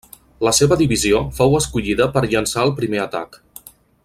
La seva Divisió fou escollida per llençar el primer atac.